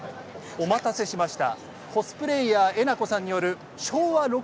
お待たせしました！